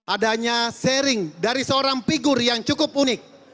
adanya sharing dari seorang figur yang cukup unik